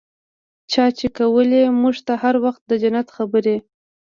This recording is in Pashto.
چا چې کولې موږ ته هر وخت د جنت خبرې.